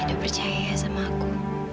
idu percaya sama aku